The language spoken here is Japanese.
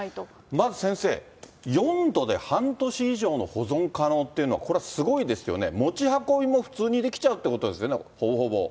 まず先生、４度で半年以上の保存可能というのは、これすごいですよね、持ち運びも普通にできちゃうってことですよね、ほぼほぼ。